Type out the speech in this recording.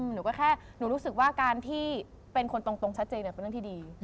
หนูก็แค่หนูรู้สึกว่าการที่เป็นคนตรงชัดเจนเป็นเรื่องที่ดี